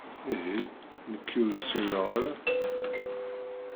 Ihi nekki ur ssineɣ ara?